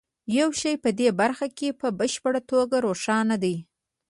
یو شی په دې برخه کې په بشپړه توګه روښانه دی